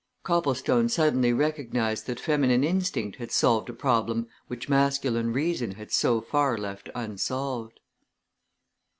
Copplestone suddenly recognized that feminine instinct had solved a problem which masculine reason had so far left unsolved.